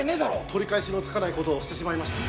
取り返しのつかない事をしてしまいました。